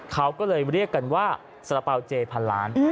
เขาก็เลยเรียกกันว่าสาระเป๋าเจพันล้าน